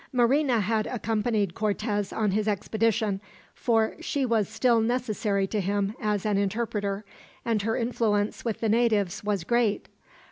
Marina had accompanied Cortez on his expedition, for she was still necessary to him as an interpreter, and her influence with the natives was great.